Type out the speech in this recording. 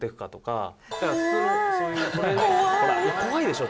だから怖いでしょ？